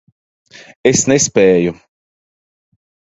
Es nespēju.